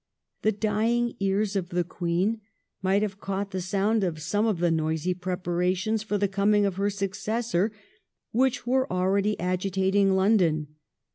The dying ears of the Queen might have caught the sound of some of the noisy preparations for the coming of her successor which were already agitating London.